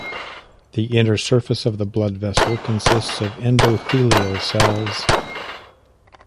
The inner surface of the blood vessel consists of endothelial cells.